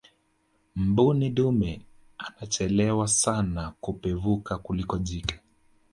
mbuni dume anachelewa sana kupevuka kuliko jike